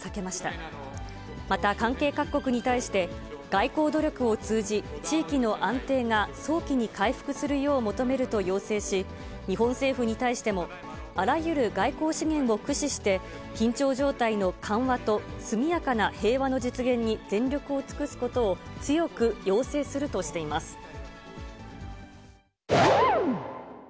また関係各国に対して、外交努力を通じ、地域の安定が早期に回復するよう求めると要請し、日本政府に対しても、あらゆる外交資源を駆使して緊張状態の緩和と速やかな平和の実現に全力を尽くすことを、強く要請するとしています。